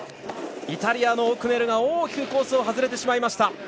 イタリアのオクネルが大きくコースを外れてしまいました。